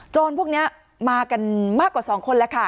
พวกนี้มากันมากกว่า๒คนแล้วค่ะ